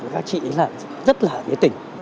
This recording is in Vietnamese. các chị rất là nhiệt tình